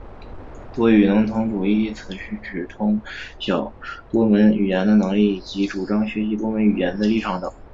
多语能通主义一词是指通晓多门语言的能力以及主张学习多门语言的立场等。